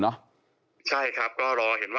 พี่หนุ่ม